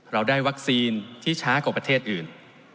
เราได้วัคซีนที่ช้ากว่าประเทศอื่น